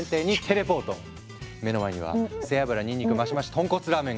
目の前には背脂にんにくマシマシ豚骨ラーメンが！